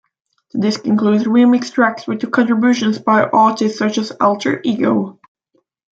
The disc includes remixed tracks with contributions by artists such as Alter Ego.